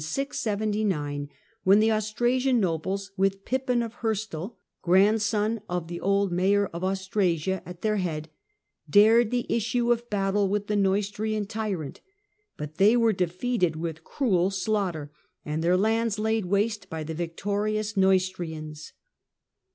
79 when the Austrasian nobles, with Pippin of Heristal, grandson of the old Mayor of Austrasia, at their head, dared the issue of battle with the Neustrian " tyrant "; but they were defeated with cruel slaughter, and their lands laid waste by the victorious Neustrians.